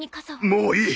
もういい！